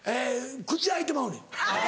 口開いてまうねん。